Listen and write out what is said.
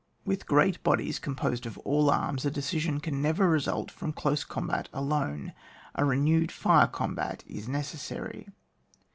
With great bodies composed of all arms, a decision can never result from close combat alone, a renewed fire combat is necessary.